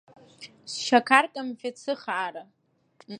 Сшьақар камфет сыхаара.